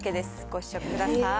ご試食ください。